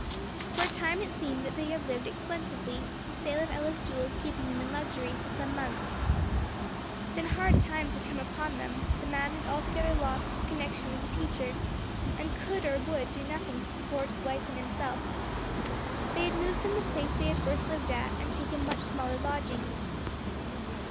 For a time it seemed they had lived expensively, the sale of Ella's jewels keeping them in luxury for some months. Then hard times had come upon them; the man had altogether lost his connection as a teacher, and could, or would, do nothing to support his wife and himself; they had moved from the place they had first lived at, and taken much smaller lodgings.